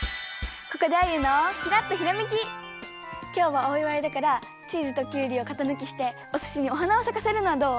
ここできょうはおいわいだからチーズときゅうりをかたぬきしておすしにおはなをさかせるのはどう？